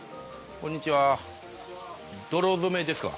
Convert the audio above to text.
・こんにちは・泥染めですか？